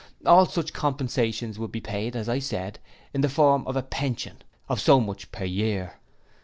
All such compensations would be paid, as I said, in the form of a pension of so much per year.